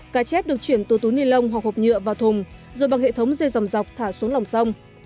cá chép được chuyển từ túi ni lông hoặc hộp nhựa vào thùng rồi bằng hệ thống dây dòng dọc thả xuống lòng sông